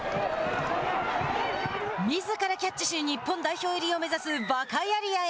みずからキャッチし日本代表入りを目指すヴァカヤリアへ。